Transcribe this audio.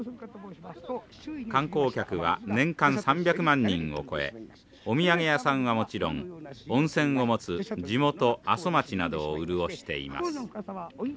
観光客は年間３００万人を超えお土産屋さんはもちろん温泉を持つ地元阿蘇町などを潤しています。